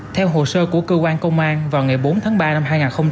theo hồ sơ của cơ quan công an vào ngày bốn tháng ba năm hai nghìn hai